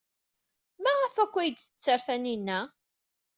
Maɣef akk ay d-tetter Taninna?